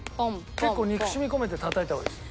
結構憎しみ込めてたたいた方がいいです。